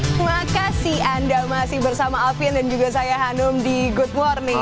terima kasih anda masih bersama alvin dan juga saya hanum di good morning